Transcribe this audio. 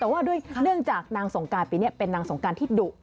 แต่ว่าด้วยเนื่องจากนางสงการปีนี้เป็นนางสงการที่ดุ